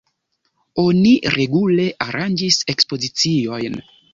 Oni regule aranĝis ekspoziciojn.